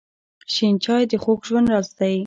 شین چای د خوږ ژوند راز دی.